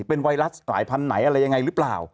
เป็นไวรัสสายพันธุ์ไหนอะไรยังไงหรือเปล่า